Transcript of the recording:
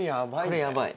これやばい。